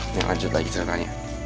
ini lanjut lagi ceritanya